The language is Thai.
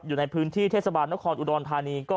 อยู่ในพื้นที่เทศบาลนครอุดรธานี